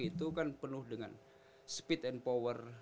itu kan penuh dengan speed and power